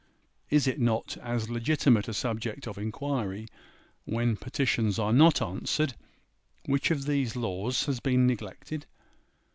Is it not as legitimate a subject of inquiry when petitions are not answered, which of these laws has been neglected?